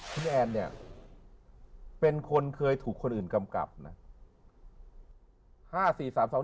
คุณแอนเนี่ยเป็นคนเคยถูกคนอื่นกำกับนะ